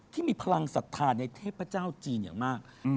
ที่มีพลังศรัทธาในเทพเจ้าจีนอย่างมาก